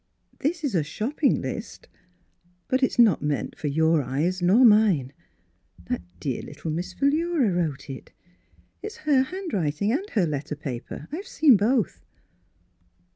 '' This is a shopping list; but it's not meant for your eyes nor mine. That dear little Miss Philura wrote it. It's her handwriting and her letter paper ; I've seen both."